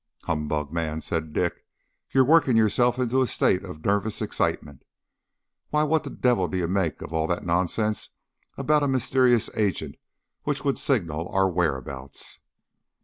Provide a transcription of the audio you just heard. "Humbug, man!" said Dick; "you're working yourself into a state of nervous excitement. Why, what the devil do you make of all that nonsense about a mysterious agent which would signal our whereabouts?"